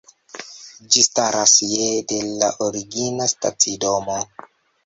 Ĝi staras je de la origina stacidomo.